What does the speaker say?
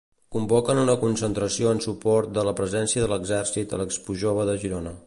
Convoquen una concentració en suport de la presència de l'Exèrcit a l'Expojove de Girona.